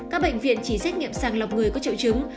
các bệnh viện chỉ xét nghiệm sàng lọc người có triệu chứng